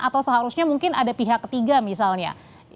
atau seharusnya mungkin ada pihak ketiga misalnya